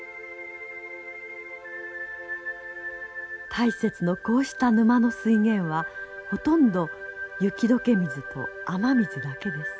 大雪のこうした沼の水源はほとんど雪解け水と雨水だけです。